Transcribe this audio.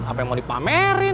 apa yang mau dipamerin